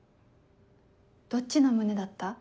どっちの胸だった？